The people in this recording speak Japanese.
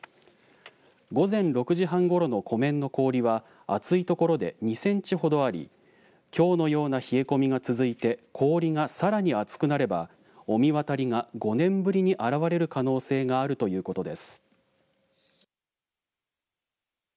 午前６時半ごろの湖面の氷は厚いところで２センチほどありきょうのような冷え込みが続いて氷がさらに厚くなれば御神渡りが５年ぶりに現れる可能性があるということです。